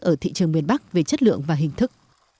ở thị trường miền bắc về chất lượng và hình thức